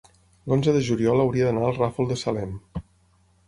L'onze de juliol hauria d'anar al Ràfol de Salem.